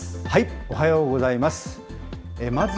おはようございます。